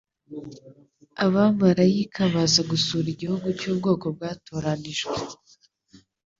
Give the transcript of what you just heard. Abamalayika baza gusura igihugu cy'ubwoko bwatoranijwe.